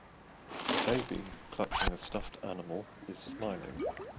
A baby clutching a stuffed animal is smiling.